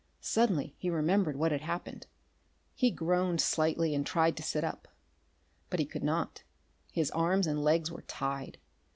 Suddenly he remembered what had happened. He groaned slightly and tried to sit up. But he could not. His arms and legs were tied.